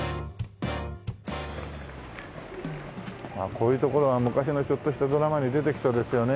こういう所は昔のちょっとしたドラマに出てきそうですよね